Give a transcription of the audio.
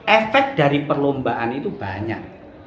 efek dari perlombaan itu banyak